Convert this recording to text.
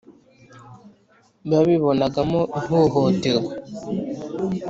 babibonagamo ihohoterwa.